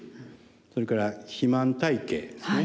それから肥満体型ですね